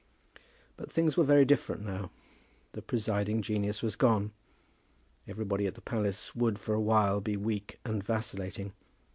But things were very different now. The presiding genius was gone. Everybody at the palace would for a while be weak and vacillating.